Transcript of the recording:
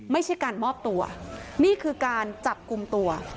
ไม่ใช่การมอบตัวนี่คือการจับกลุ่มตัว